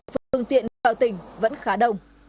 phương tiện vào tỉnh vẫn khá đông